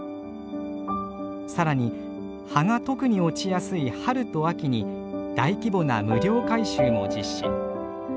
更に葉が特に落ちやすい春と秋に大規模な無料回収も実施。